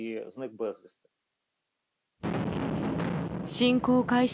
侵攻開始